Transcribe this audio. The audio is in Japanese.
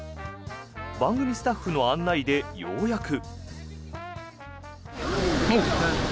番組スタッフの案内でようやく。